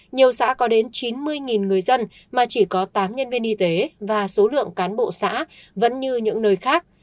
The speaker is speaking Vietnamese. nhiều xã có đến chín mươi người dân mà chỉ có tám nhân viên y tế và số lượng cán bộ xã vẫn như những nơi khác